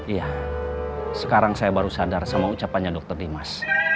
iya sekarang saya baru sadar sama ucapannya dr dimas